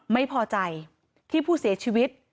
ไม่พอใจที่ผู้เสียชีวิต